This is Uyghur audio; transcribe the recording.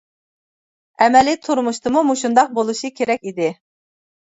ئەمەلىي تۇرمۇشتىمۇ مۇشۇنداق بولۇشى كېرەك ئىدى.